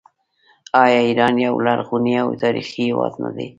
آیا ایران یو لرغونی او تاریخي هیواد نه دی؟